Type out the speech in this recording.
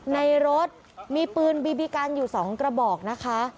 ในรถมีปืนบีบีกันอยู่๒กระบอกนะคะ